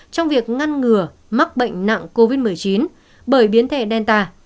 trong việc ngăn ngừa mắc bệnh nặng covid một mươi chín bởi biến thể danta